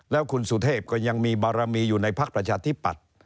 แล้วคุณสุเทพก็ยังมีบารมีอยู่ในพักประชาธิปัตย์